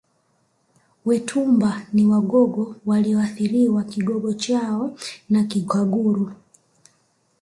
Wetumba ni Wagogo walioathiriwa Kigogo chao na Kikaguru